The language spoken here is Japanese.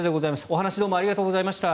お話どうもありがとうございました。